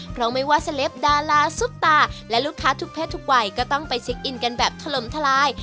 เพราะไม่ว่าเซลปดาราซุปตาและลูกค้าทุกเพศทุกวัยก็ต้องไปเช็คอินกันแบบถล่มทลาย